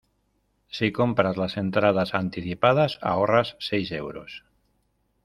Si compras las entradas anticipadas ahorras seis euros.